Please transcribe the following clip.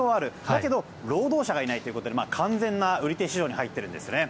だけど労働者がいないということで完全な売り手市場に入ってるんですよね。